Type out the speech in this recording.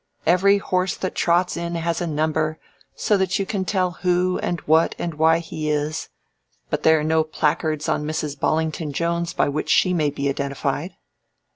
Every horse that trots in has a number so that you can tell who and what and why he is, but there are no placards on Mrs. Bollington Jones by which she may be identified.